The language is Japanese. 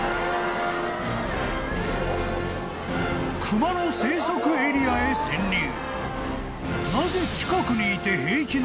［熊の生息エリアへ潜入］